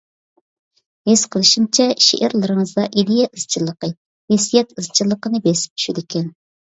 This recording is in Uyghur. ھېس قىلىشىمچە، شېئىرلىرىڭىزدا ئىدىيە ئىزچىللىقى، ھېسسىيات ئىزچىللىقىنى بېسىپ چۈشىدىكەن.